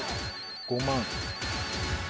５万。